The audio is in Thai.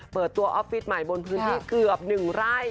เปิดตัวออฟฟิศใหม่บนพื้นที่เกือบ๑ไร่